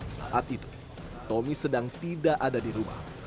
saat itu tommy sedang tidak ada di rumah